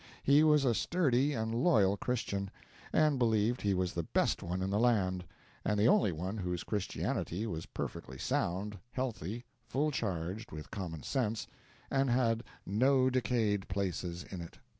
He was a sturdy and loyal Christian, and believed he was the best one in the land, and the only one whose Christianity was perfectly sound, healthy, full charged with common sense, and had no decayed places in it.